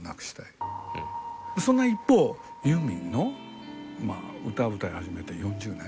その一方ユーミンの歌歌い始めて４０年？